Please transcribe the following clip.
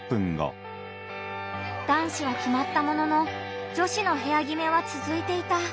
男子は決まったものの女子の部屋決めは続いていた。